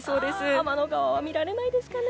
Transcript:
天の川は見られないですかね。